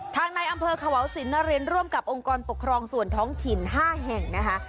ในอำเภอขวาวสินนรินร่วมกับองค์กรปกครองส่วนท้องถิ่น๕แห่งนะคะ